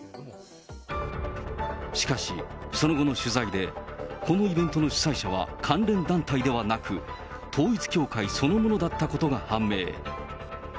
しかし、その後の取材で、このイベントの主催者は、関連団体ではなく、統一教会そのものだったことが判明。